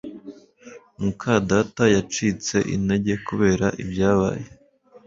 muka data yacitse intege kubera ibyabaye